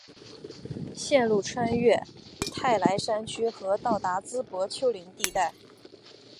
线路穿越泰莱山区和到达淄博丘陵地带。